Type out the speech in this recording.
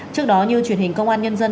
trước đó như truyền hình công an nhân dân